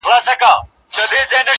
نو گراني ته چي زما قدم باندي,